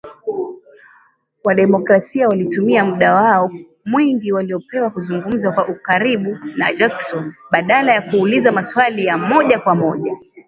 Wademokrasia walitumia muda wao mwingi waliopewa kuzungumza kwa ukaribu na Jackson, badala ya kuuliza maswali ya moja kwa moja